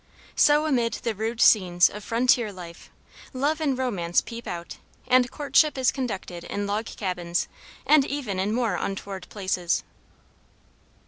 So amid the rude scenes of frontier life, love and romance peep out, and courtship is conducted in log cabins and even in more untoward places.